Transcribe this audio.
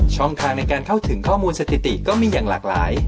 ทางในการเข้าถึงข้อมูลสถิติก็มีอย่างหลากหลาย